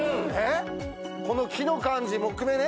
この木の感じ、木目ね。